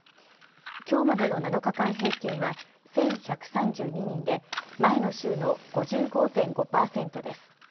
きょうまでの７日間平均は１１３２人で前の週の５５．５％です。